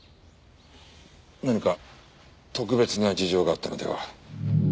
何か特別な事情があったのでは？